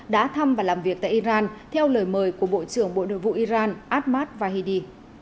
đã thăm và làm việc tại iran theo lời mời của bộ trưởng bộ nội vụ iran ahmad vahidi